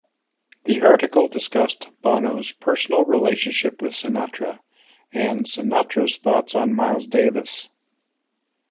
The article discussed Bono's personal relationship with Sinatra, and Sinatra's thoughts on Miles Davis.